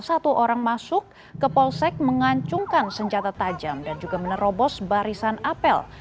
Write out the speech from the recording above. satu orang masuk ke polsek mengancungkan senjata tajam dan juga menerobos barisan apel